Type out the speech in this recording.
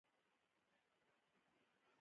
په حيرانۍ يې وويل: دا دې څه کړي؟